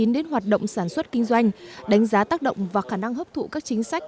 đến hoạt động sản xuất kinh doanh đánh giá tác động và khả năng hấp thụ các chính sách